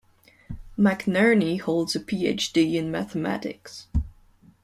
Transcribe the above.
McNerney holds a Ph.D in mathematics.